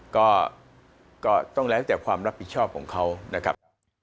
ก็ต้องแล้วแต่ความรับผิดชอบของเขานะครับ